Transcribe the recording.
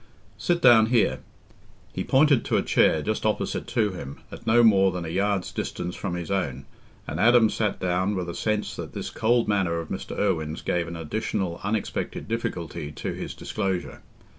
"Sit down here." He pointed to a chair just opposite to him, at no more than a yard's distance from his own, and Adam sat down with a sense that this cold manner of Mr. Irwine's gave an additional unexpected difficulty to his disclosure.